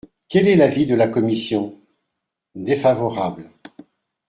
» Quel est l’avis de la commission ? Défavorable.